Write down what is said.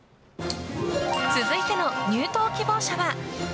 続いての入党希望者は。